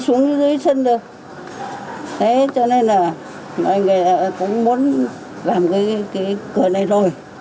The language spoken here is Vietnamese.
thế cho nên là mọi người cũng muốn làm cái cửa này rồi